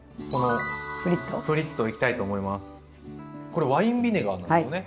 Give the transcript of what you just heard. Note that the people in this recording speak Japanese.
これワインビネガーなんですよね。